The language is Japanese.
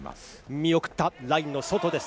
見送ったラインの層です。